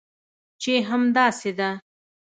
چې همداسې ده؟